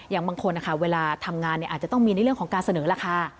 อย่างบางคนนะคะเวลาทำงานอาจจะต้องมีในเรื่องของการเสนอราคา